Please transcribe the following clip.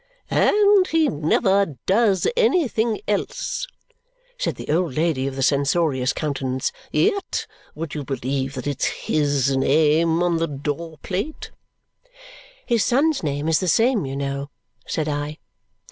"And he never does anything else," said the old lady of the censorious countenance. "Yet would you believe that it's HIS name on the door plate?" "His son's name is the same, you know," said I.